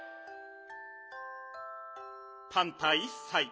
「パンタ１さい。